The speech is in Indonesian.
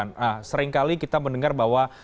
nah seringkali kita mendengar bahwa